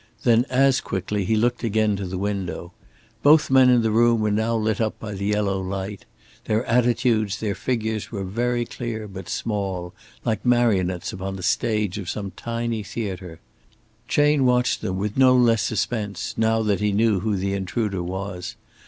Then as quickly he looked again to the window. Both men in the room were now lit up by the yellow light; their attitudes, their figures were very clear but small, like marionettes upon the stage of some tiny theater. Chayne watched them with no less suspense now that he knew who the intruder was.